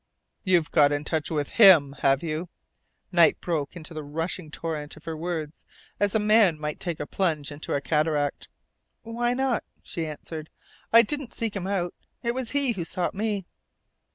"You've got in touch with him, have you?" Knight broke into the rushing torrent of her words as a man might take a plunge into a cataract. "Why not?" she answered. "I didn't seek him out. It was he who sought me."